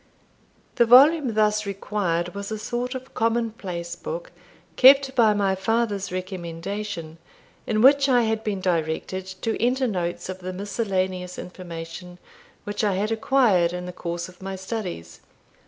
The volume thus required was a sort of commonplace book, kept by my father's recommendation, in which I had been directed to enter notes of the miscellaneous information which I had acquired in the course of my studies.